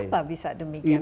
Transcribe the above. kenapa bisa demikian